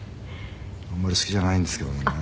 「あんまり好きじゃないんですけどもね」